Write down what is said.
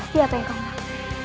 siapa yang kau maksud